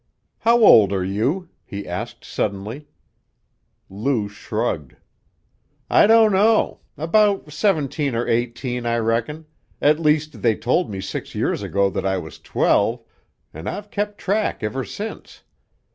"How old are you?" he asked suddenly. Lou shrugged. "I don't know. About seventeen or eighteen, I reckon; at least, they told me six years ago that I was twelve, an' I've kept track ever since.